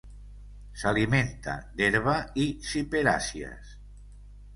S'alimenta d'herba i ciperàcies.